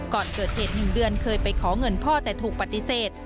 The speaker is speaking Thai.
ก่อนเกิดเหตุ๑เดือนเคยไปขอเงินพ่อแต่ถูกปฏิเสธ